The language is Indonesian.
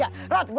gua dapet juga